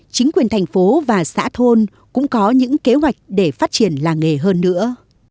chính quyền thành phố và xã thôn cũng có những kế hoạch để phát triển làng nghề hơn nữa